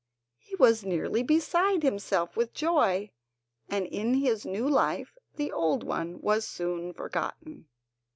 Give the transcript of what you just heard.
He was nearly beside himself with joy, and in his new life the old one was soon forgotten.